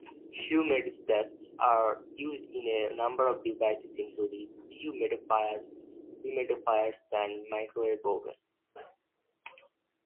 Humidistats are used in a number of devices including dehumidifiers, humidifiers, and microwave ovens.